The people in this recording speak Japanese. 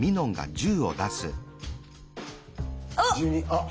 あっ！